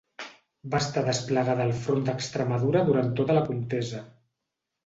Va estar desplegada al front d'Extremadura durant tota la contesa.